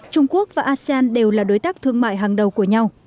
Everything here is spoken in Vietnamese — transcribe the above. trung quốc và asean đều là đối tác thương mại hàng đầu của nhau